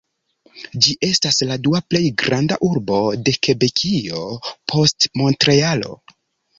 Ĝi estas la dua plej granda urbo de Kebekio, post Montrealo.